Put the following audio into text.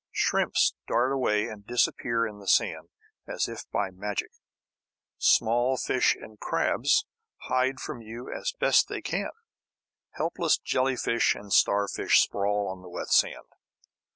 Shrimps dart away and disappear in the sand as if by magic. Small fish and crabs hide from you as best they can. Helpless jelly fish and starfish sprawl on the wet sand.